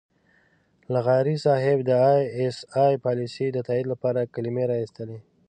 لغاري صاحب د اى ايس اى پالیسۍ د تائید لپاره کلمې را اېستلې.